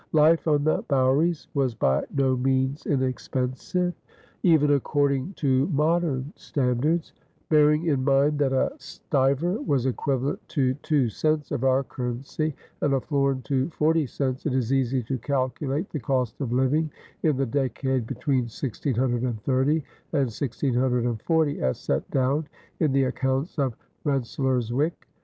Life on the bouweries was by no means inexpensive, even according to modern standards. Bearing in mind that a stiver was equivalent to two cents of our currency and a florin to forty cents, it is easy to calculate the cost of living in the decade between 1630 and 1640 as set down in the accounts of Rensselaerswyck.